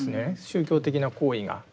宗教的な行為が。